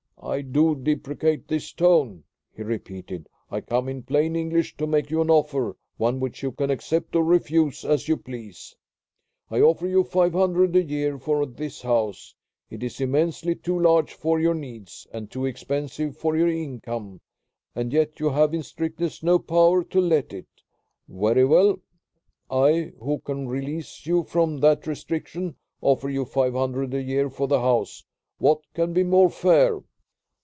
"I do deprecate this tone," he repeated. "I come in plain English to make you an offer; one which you can accept or refuse as you please. I offer you five hundred a year for this house. It is immensely too large for your needs, and too expensive for your income, and yet you have in strictness no power to let it. Very well, I, who can release you from that restriction, offer you five hundred a year for the house. What can be more fair?"